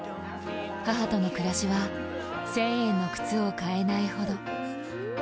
母との暮らしは１０００円の靴を買えないほど。